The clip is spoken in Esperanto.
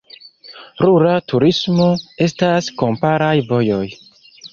Rura turismo: estas kamparaj vojoj.